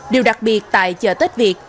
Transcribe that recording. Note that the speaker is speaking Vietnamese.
điều đặc biệt tại chợ tết việt